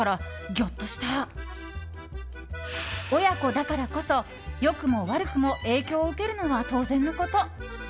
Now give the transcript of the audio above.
親子だからこそ良くも悪くも影響を受けるのは当然のこと。